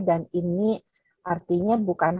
dan ini artinya bukan